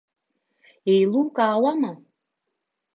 Иеилукаауама.